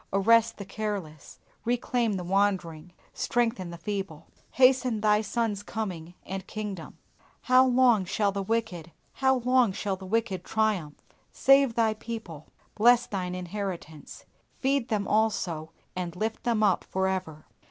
Arrest the careless; reclaim the wandering; strengthen the feeble. Hasten Thy Son's coming and kingdom. How long shall the wicked, how long shall the wicked triumph? Save Thy people; bless Thine inheritance; feed them also, and lift them up for ever.